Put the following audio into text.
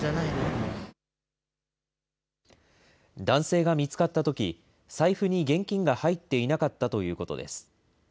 男性が見つかったとき、財布に現金が入っていなかったということです。